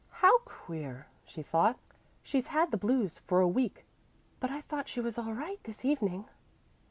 "How queer," she thought. "She's had the blues for a week, but I thought she was all right this evening."